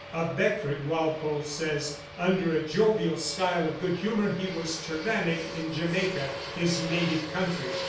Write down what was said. Of Beckford Walpole says: 'Under a jovial style of good humour he was tyrannic in Jamaica, his native country.'